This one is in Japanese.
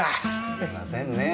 すいませんねぇ。